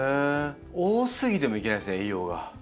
多すぎてもいけないんですね栄養が。